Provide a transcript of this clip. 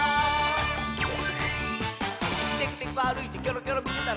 「テクテクあるいてキョロキョロみてたら」